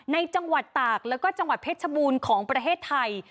ในจังหวัดตากแล้วก็จังหวัดเพชรบูรณ์ของประเทศไทย